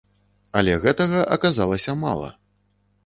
Але гэтага аказалася мала!